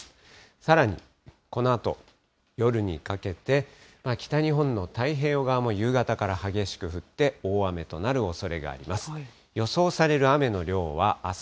さらに、このあと夜にかけて、北日本の太平洋側も夕方から激しく降って、大雨となるおそれがあります。